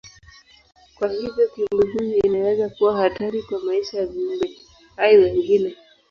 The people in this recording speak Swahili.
Kwa hivyo kiumbe huyu inaweza kuwa hatari kwa maisha ya viumbe hai wengine.